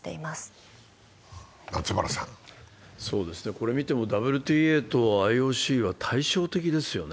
これ見てもＷＴＡとＩＯＣは対照的ですよね。